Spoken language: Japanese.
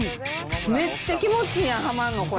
めっちゃ気持ちいいやん、はまんの、これ。